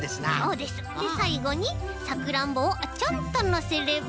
でさいごにさくらんぼをちょんとのせれば。